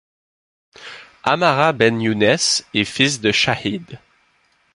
Amara Benyounès est fils de chahid.